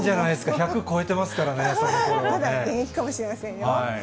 １００超えてますからね、そのこまだ現役かもしれませんよ。